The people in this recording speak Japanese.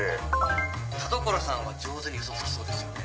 田所さんは上手に嘘つきそうですよね。